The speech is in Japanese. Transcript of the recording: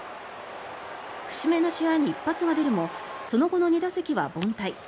節目の試合に一発が出るもその後の２打席は凡退。